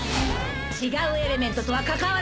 「違うエレメントとは関わらない！」